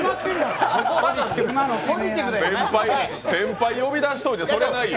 先輩呼び出しといて、それはないよ。